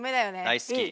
大好き。